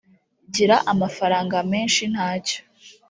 gira amafaranga menshi nta cyo